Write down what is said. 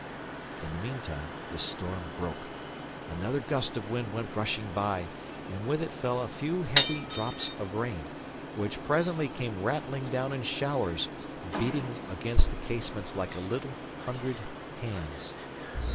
In the meantime the storm broke. Another gust of wind went rushing by, and with it fell a few heavy drops of rain, which presently came rattling down in showers, beating against the casements like a hundred little hands.